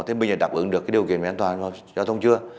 thì bây giờ đạp ứng được cái điều kiện an toàn cho thông chưa